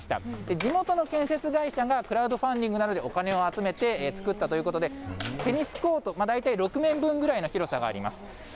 地元の建設会社がクラウドファンディングなどでお金を集めて作ったということで、テニスコート、大体６面分ぐらいの広さがあります。